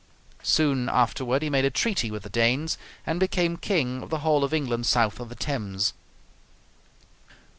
Soon afterward he made a treaty with the Danes, and became king of the whole of England south of the Thames.